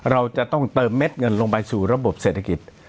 เราจะต้องเติมเม็ดเงินลงไปสู่ระบบเศรษฐกิจ